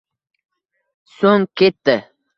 So‘ng ketdi.